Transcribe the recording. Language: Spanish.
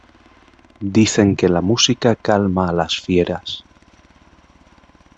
Dicen que la música calma a las fieras.